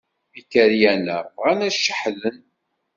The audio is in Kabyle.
Ikeryan-a bɣan ad ceḥḥden.